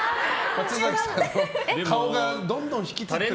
顔がどんどんひきつってる。